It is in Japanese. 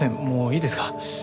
もういいですか？